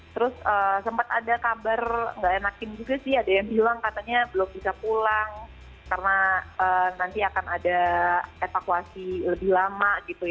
terus sempat ada kabar nggak enakin juga sih ada yang bilang katanya belum bisa pulang karena nanti akan ada evakuasi lebih lama gitu ya